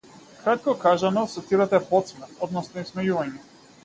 Кратко кажано, сатирата е потсмев, односно исмејување.